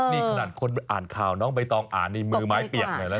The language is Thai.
นี่ขนาดคนอ่านข่าวน้องใบตองอ่านนี่มือไม้เปียกเลยนะ